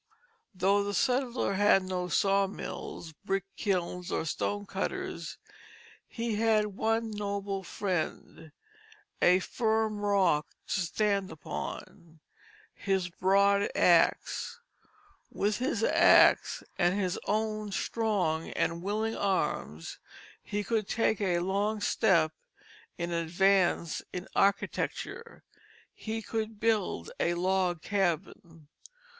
Though the settler had no sawmills, brick kilns, or stone cutters, he had one noble friend, a firm rock to stand upon, his broad axe. With his axe, and his own strong and willing arms, he could take a long step in advance in architecture; he could build a log cabin.